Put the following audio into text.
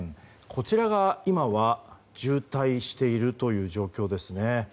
こちらが今は渋滞しているという状況ですね。